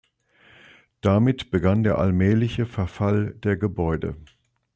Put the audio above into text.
Damit begann der allmähliche Verfall der Gebäude.